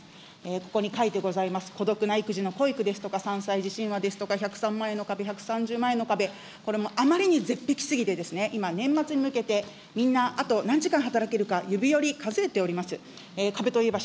ここに書いてございます、孤独な育児の保育ですとか、３歳児神話ですとか１０３万円の壁、１３０万円の壁、これもあまりにすぎて、今、年末に向けてみんな、あと何時間働けるか、指折り数えております。